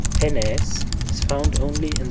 πένης is found only in the D.